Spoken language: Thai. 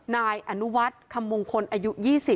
นายอนุวัฒน์คำมงคลอายุ๒๐